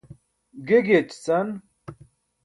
ge giyaćican